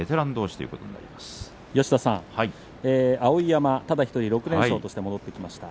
碧山、ただ１人６連勝として戻ってきました。